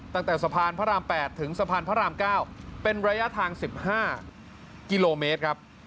ตั้งแต่สะพานพระราม๘ถึงสะพานพระราม๙เป็นระยะทาง๑๕กิโลเมตรครับ